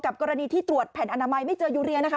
กับกรณีที่ตรวจแผนอนามัยไม่เจอยูเรีย